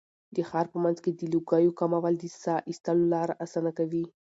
د ښار په منځ کې د لوګیو کمول د ساه ایستلو لاره اسانه کوي.